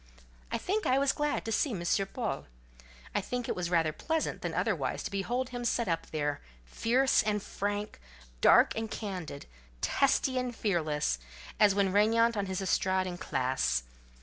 I think I was glad to see M. Paul; I think it was rather pleasant than otherwise, to behold him set up there, fierce and frank, dark and candid, testy and fearless, as when regnant on his estrade in class.